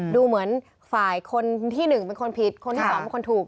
ดูเหมือนฝ่ายคนที่๑เป็นคนผิดคนที่๒เป็นคนถูก